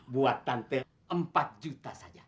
buat tante empat juta saja